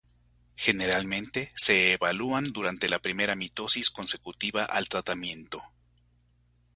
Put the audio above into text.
Generalmente se evalúan durante la primera mitosis consecutiva al tratamiento.